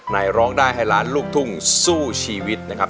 ร้องได้ให้ล้านลูกทุ่งสู้ชีวิตนะครับ